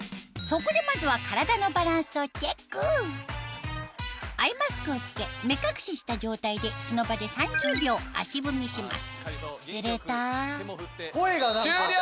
そこでまずは体のバランスをチェックアイマスクを着け目隠しした状態でその場で３０秒足踏みしますすると終了！